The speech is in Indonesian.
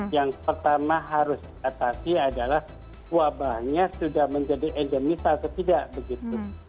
yang pertama harus diatasi adalah wabahnya sudah menjadi endemis atau tidak begitu